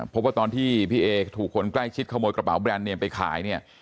เพราะว่าตอนที่พี่เอถูกคนใกล้ชิดขโมยกระเป๋าแบรนด์เนมไปขายเนี่ย